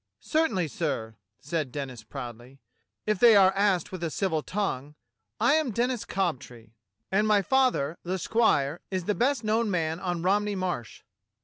"Certainly, sir," said Denis proudly, "if they are asked with a civil tongue. I am Denis Cobtree, and 25 26 DOCTOR SYN my father, the squire, is the best known man on Romney Marsh."